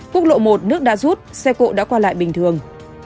quốc lộ một nước đã rút xe cộ đã qua lại bình thường